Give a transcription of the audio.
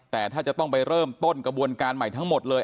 แต่ถ้าจะต้องไปเริ่มต้นกระบวนการใหม่ทั้งหมดเลย